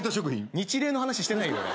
ニチレイの話してないよ。